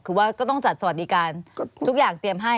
คือว่าก็ต้องจัดสวัสดิการทุกอย่างเตรียมให้